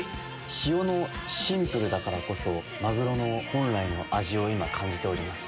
塩のシンプルだからこそマグロの本来の味を感じてます。